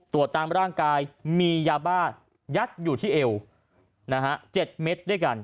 ตามร่างกายมียาบ้ายัดอยู่ที่เอว๗เม็ดด้วยกัน